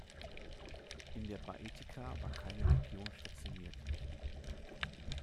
In der Baetica war keine Legion stationiert.